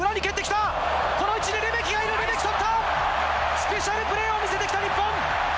スペシャルプレーを見せてきた日本。